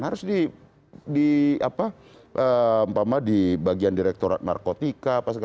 harus di bagian direktorat narkotika